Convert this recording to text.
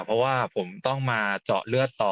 เพราะว่าผมต้องมาเจาะเลือดต่อ